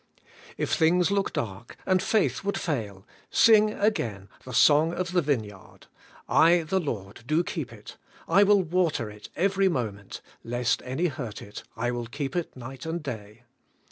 If things look dark and faith would fail, sing again the song of the vineyard: 'I the Lord do keep it; I will EVERY MOMENT. 107 water it every momeBt: lest any hurt it, I will keep it night and day.'